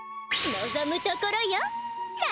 のぞむところよ